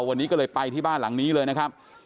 วันนี้ก็เลยไปที่บ้านหลังนี้เลยนะครับ